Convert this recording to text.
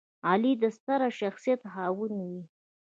غلی، د ستر شخصیت خاوند وي.